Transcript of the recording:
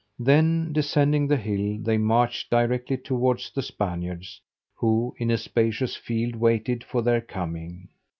Then descending the hill, they marched directly towards the Spaniards, who in a spacious field waited for their coming.